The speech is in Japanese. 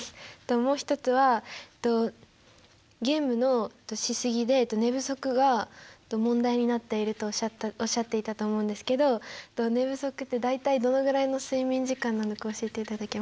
もう一つはゲームのしすぎで寝不足が問題になっているとおっしゃっていたと思うんですけど寝不足って大体どのぐらいの睡眠時間なのか教えていただけますか？